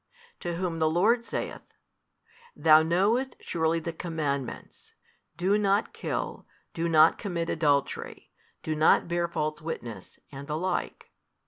To whom the Lord saith, Thou knowest surely the commandments, Do not kill, Do not commit adultery, Do not bear false witness, and the like.